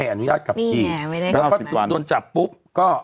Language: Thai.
โอ้ยก็เหลือ